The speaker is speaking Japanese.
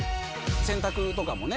洗濯とかもね